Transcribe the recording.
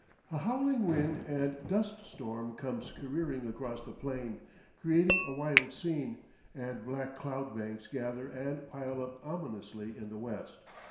A howling wind and dust storm comes careering across the plain, creating a wild scene, and black cloud banks gather and pile up ominously in the west.